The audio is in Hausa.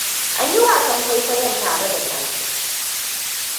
An yi wasan kwaikwayon tare da tafi.